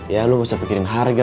ya lo gak usah pikirin harga